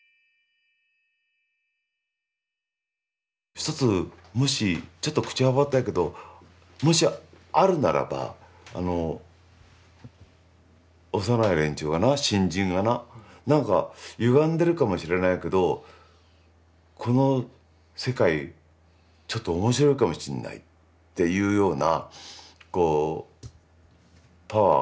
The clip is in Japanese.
一つもしちょっと口はばったいけどもしあるならば幼い連中がな新人がな何かゆがんでるかもしれないけどこの世界ちょっと面白いかもしんないっていうようなこうパワーが出たらいいじゃん。